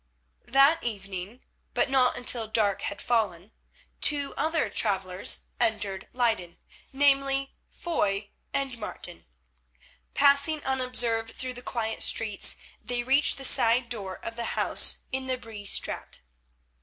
That evening, but not until dark had fallen, two other travellers entered Leyden, namely, Foy and Martin. Passing unobserved through the quiet streets, they reached the side door of the house in the Bree Straat.